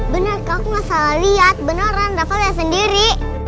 bener kak aku nggak salah liat beneran rafa liat sendiri